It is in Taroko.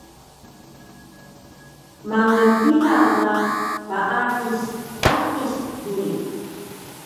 mangal pila ma paadis patis duri